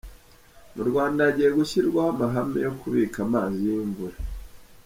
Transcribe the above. Mu Rwanda hagiye gushyirwaho amahame yo kubika amazi y’imvura